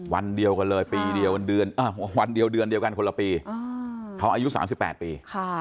วันเดียวกันเลยปีเดียววันเดียวเดือนเดียวกันคนละปีเขาอายุ๓๘ปี